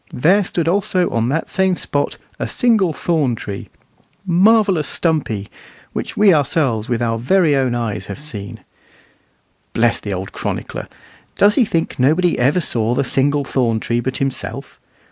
There stood also on that same spot a single thorn tree, marvellous stumpy (which we ourselves with our very own eyes have seen)." Bless the old chronicler! Does he think nobody ever saw the "single thorn tree" but himself?